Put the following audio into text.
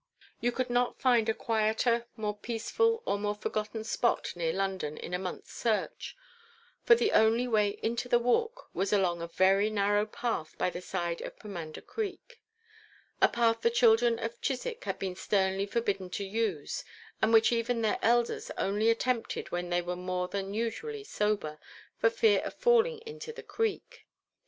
You could not find a quieter, more peaceful, or more forgotten spot near London in a month's search; for the only way into the Walk was along a very narrow path by the side of Pomander Creek: a path the children of Chiswick had been sternly forbidden to use, and which even their elders only attempted when they were more than usually sober, for fear of falling into the creek.